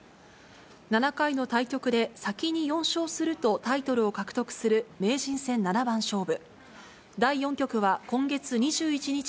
７回の対局で、先に４勝するとタイトルを獲得する名人戦七番勝負。